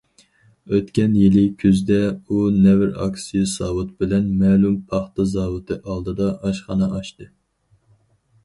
ئۆتكەن يىلى كۈزدە ئۇ نەۋرە ئاكىسى ساۋۇت بىلەن مەلۇم پاختا زاۋۇتى ئالدىدا ئاشخانا ئاچتى.